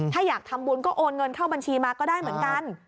ถ้าอยากทำบุญก็โอนเงินเข้าบัญชีมาก็ได้เหมือนกัน